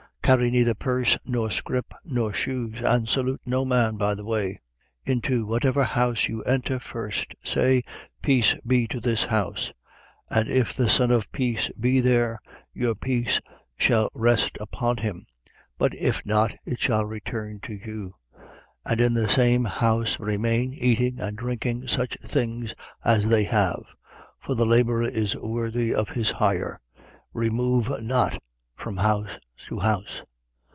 10:4. Carry neither purse, nor scrip, nor shoes: and salute no man by the way. 10:5. Into whatever house you enter, first say: Peace be to this house. 10:6. And if the son of peace be there, your peace shall rest upon him: but if not, it shall return to you. 10:7. And in the same house, remain, eating and drinking such things as they have: for the labourer is worthy of his hire. Remove not from house to house.